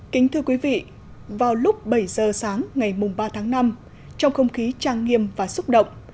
kính thưa quý vị vào lúc bảy giờ sáng ngày ba tháng năm trong không khí trang nghiêm và xúc động